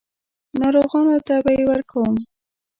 ناروغانو ته به یې ورکوم.